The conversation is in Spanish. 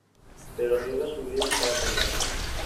Pero arriesga su vida en cada pelea.